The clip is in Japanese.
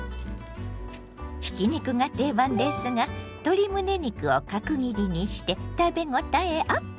ひき肉が定番ですが鶏むね肉を角切りにして食べごたえアップ！